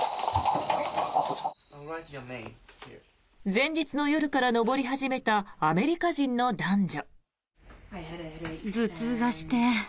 前日の夜から登り始めたアメリカ人の男女。